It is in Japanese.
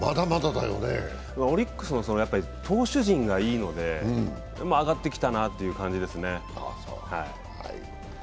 オリックスの投手陣がいいので上がってきたなという感じですね。